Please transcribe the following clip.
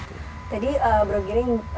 tadi bro giring